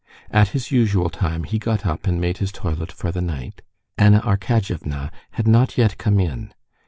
At his usual time he got up and made his toilet for the night. Anna Arkadyevna had not yet come in.